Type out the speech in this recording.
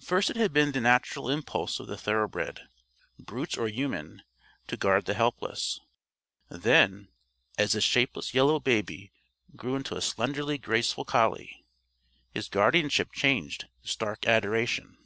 First it had been the natural impulse of the thoroughbred brute or human to guard the helpless. Then, as the shapeless yellow baby grew into a slenderly graceful collie, his guardianship changed to stark adoration.